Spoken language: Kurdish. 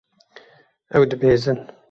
Ew dibezin.